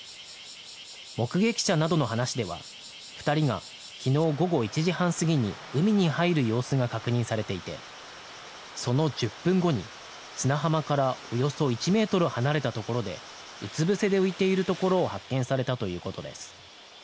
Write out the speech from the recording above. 目撃者などの話では２人が昨日午後１時半過ぎに海に入る様子が確認されていてその１０分後に砂浜からおよそ１ｍ離れたところでうつぶせで浮いているところを発見されたということです。